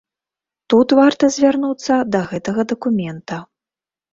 Тут варта звярнуцца да гэтага дакумента.